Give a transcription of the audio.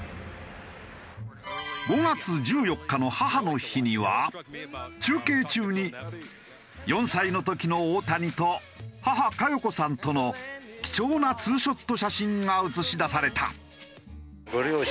５月１４日の母の日には中継中に４歳の時の大谷と母加代子さんとの貴重なツーショット写真が映し出された。